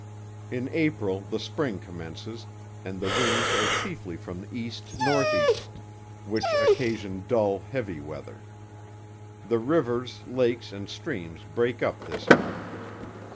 In April the spring commences, and the winds are chiefly from the east north east, which occasion dull, heavy weather. The rivers, lakes, and streams break up this month.